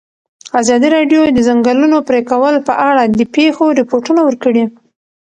ازادي راډیو د د ځنګلونو پرېکول په اړه د پېښو رپوټونه ورکړي.